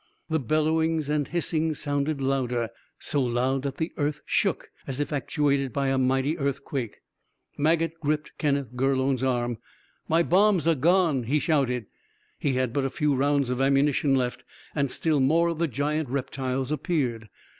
The bellowings and hissings sounded louder, so loud that the earth shook as if actuated by a mighty earthquake. Maget gripped Kenneth Gurlone's arm. "My bombs are gone," he shouted. He had but a few rounds of ammunition left, and still more of the giant reptiles appeared.